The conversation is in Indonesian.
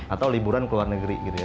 atau liburan ke luar negeri gitu ya